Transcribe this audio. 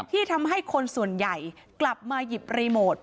ที่ทำให้คนส่วนใหญ่กลับมาหยิบรีโมท